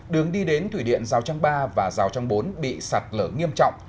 đường đi đến thủy điện giao trang ba và rào trang bốn bị sạt lở nghiêm trọng